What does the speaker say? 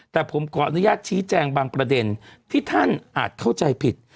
แต่ผมขออนุญาตชี้แจงบางประเด็นที่ท่านอาจเข้าใจผิด